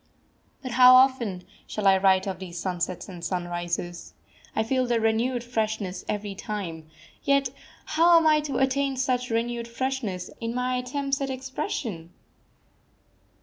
But how often shall I write of these sunsets and sunrises? I feel their renewed freshness every time; yet how am I to attain such renewed freshness in my attempts at expression?